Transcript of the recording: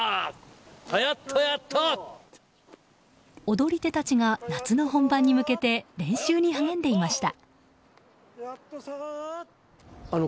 踊り手たちが夏の本番に向けて練習に励んでいました。